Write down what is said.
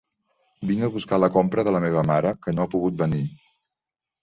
Vinc a buscar la compra de la meva mare, que no ha pogut venir.